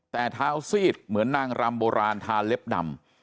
แต่เท้าซีดเหมือนนางรำโบราณทาเล็บดำ